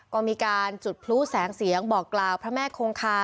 ก็มีการจุดพลุแสงเสียงบอกกล่าวพระแม่คงคา